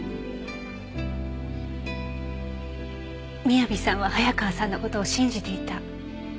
雅さんは早川さんの事を信じていた。